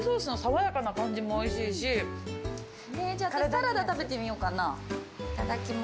サラダ食べてみようかな。